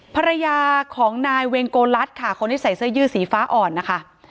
ภรรยาของนายเวงโกลัสค่ะคนที่ใส่เสื้อยืดสีฟ้าอ่อนนะคะ